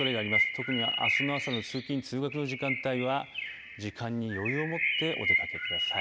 特に朝の通勤、通学の時間帯は時間に余裕をもってお出かけください。